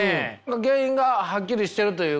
原因がはっきりしてるというか。